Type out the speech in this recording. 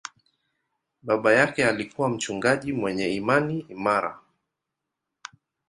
Baba yake alikuwa mchungaji mwenye imani imara.